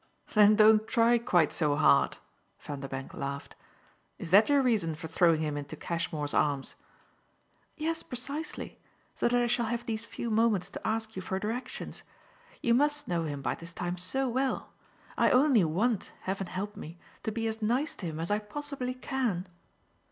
"Then don't try quite so hard!" Vanderbank laughed. "Is that your reason for throwing him into Cashmore's arms?" "Yes, precisely so that I shall have these few moments to ask you for directions: you must know him by this time so well. I only want, heaven help me, to be as nice to him as I possibly can."